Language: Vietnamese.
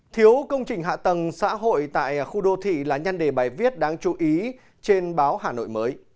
thiếu công trình hạ tầng xã hội tại khu đô thị là nhan đề bài viết đáng chú ý trên báo hà nội mới